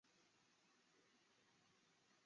昂孔人口变化图示